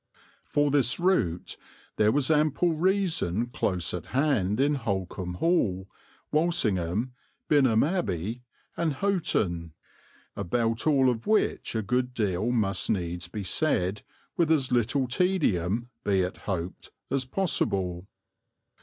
For this route there was ample reason close at hand, in Holkham Hall, Walsingham, Binham Abbey, and Houghton, about all of which a good deal must needs be said with as little tedium, be it hoped, as possible.